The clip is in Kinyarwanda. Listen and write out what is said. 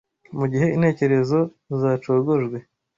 mu gihe intekerezo zacogojwe